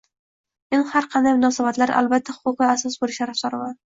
Men har qanday munosabatlarda albatta huquqiy asosi bo‘lishi tarafdoriman.